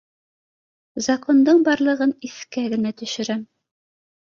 Закондың барлығын иҫкә генә төшөрәм